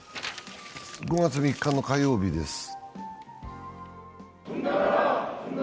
５月３日の火曜日です。